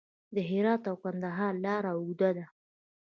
د هرات او کندهار لاره اوږده ده